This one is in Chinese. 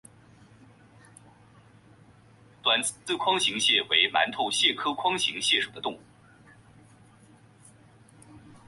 短刺筐形蟹为馒头蟹科筐形蟹属的动物。